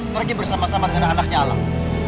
pergi bersama sama dengan anaknya alam